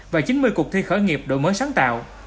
và chín mươi cuộc thi khởi nghiệp đổi mới sáng tạo